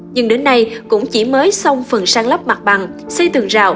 nhưng đến nay cũng chỉ mới xong phần sang lắp mặt bằng xây tường rào